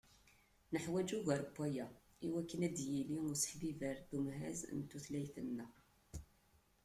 Neḥwaǧ ugar n waya iwakken ad d-yili useḥbiber d umhaz n tutlayt-nneɣ.